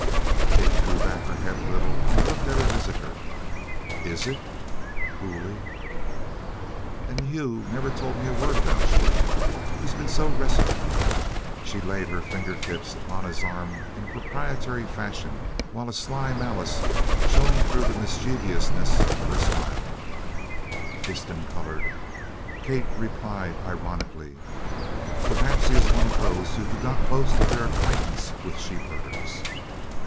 Kate drew back her head a little and looked at her visitor. "Is it?" coolly. "And Hugh never has told me a word about you he's been so reticent." She laid her finger tips upon his arm in proprietory fashion while a sly malice shone through the mischievousness of her smile. Disston colored. Kate replied ironically: "Perhaps he is one of those who do not boast of their acquaintance with sheepherders."